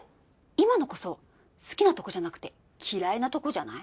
今のこそ好きなとこじゃなくて嫌いなとこじゃない？